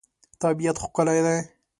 طبیعت ښکلی دی.